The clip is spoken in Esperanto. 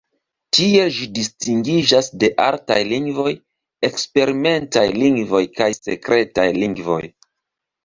Tiel ĝi distingiĝas de artaj lingvoj, eksperimentaj lingvoj kaj sekretaj lingvoj.